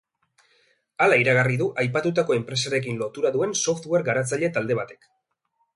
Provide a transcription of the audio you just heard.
Hala iragarri du aipatutako enpresarekin lotura duen software garatzaile talde batek.